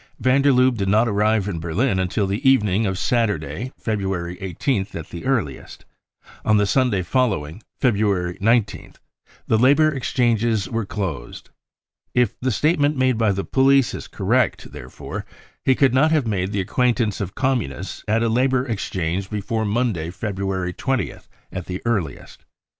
Van der Lubbe did not arrive in Berlin until the evening of Saturday, February ,18th, at the earliest. On the Sunday following, February Dt 98 BROWN BOOK OF THE HITLER TERROR 19 th, the labour exchanges were closed. If the statement njade by the police is correct, therefore, he could not have made the acquaintance of Communists at a labour ex change before Monday, February 20th, at the earliest.